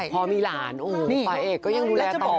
พอมีหลานฝ่ายเอกก็ยังดูแลต่อ